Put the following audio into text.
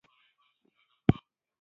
د نورو اسلامي خېلونو په منځ کې.